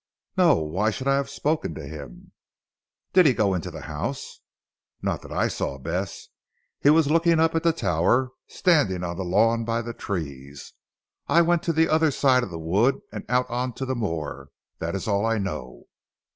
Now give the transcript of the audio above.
"No. Why should I have spoken to him?" "Did he go into the house?" "Not that I saw Bess. He was looking up at the tower, standing on the lawn by the trees. I went away to the other side of the wood, and out on to the moor. That is all I know."